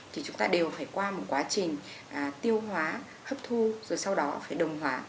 trong quá trình tiêu hóa hấp thu rồi sau đó phải đồng hóa